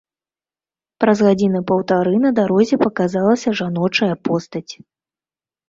Праз гадзіны паўтары на дарозе паказалася жаночая постаць.